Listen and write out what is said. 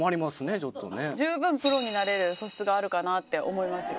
ちょっとね十分プロになれる素質があるかなって思いますよ